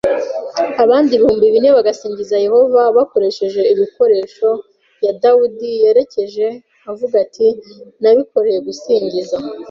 abandi ibihumbi bine bagasingizaw Yehova bakoresheje ibikoresho y Dawidi yerekejeho avuga ati nabikoreye gusingiza